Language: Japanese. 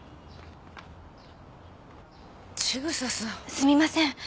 すみません。